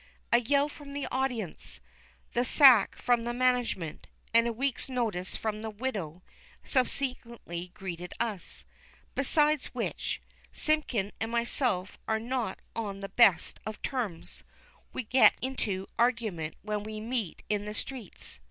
A yell from the audience, the sack from the management, and a week's notice from the widow, subsequently greeted us. Besides which, Simpkin and myself are not on the best of terms. We get into argument when we meet in the streets.